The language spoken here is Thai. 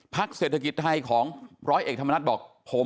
เศรษฐกิจไทยของร้อยเอกธรรมนัฐบอกผม